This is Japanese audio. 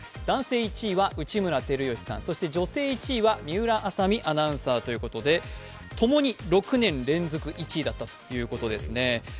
男性１位は内村光良さん、そして女性１位は水卜麻美アナウンサーということで、ともに６年連続１位だったということですね。